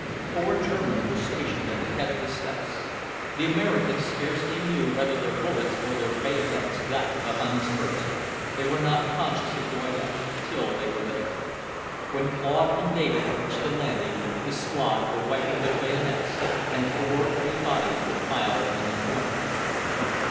Four Germans were stationed at the head of the steps. The Americans scarcely knew whether their bullets or their bayonets got to the Huns first; they were not conscious of going up, till they were there. When Claude and David reached the landing, the squad were wiping their bayonets, and four grey bodies were piled in the corner.